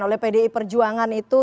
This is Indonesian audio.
oleh pdi perjuangan itu